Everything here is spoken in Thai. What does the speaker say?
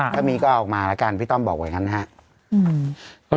ถ้ามีก็ออกมาแล้วกันพี่ต้อมบอกอย่างนั้นนะครับ